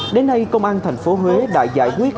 đến nay công an thành phố huế đã giải quyết